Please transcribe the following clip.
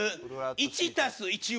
１＋１は。